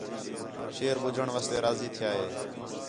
شیر ٻُجّھݨ واسطے راضی تِھیا ہِے